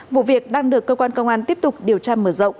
vụ việc đang được cơ quan công an tiếp tục điều tra mở rộng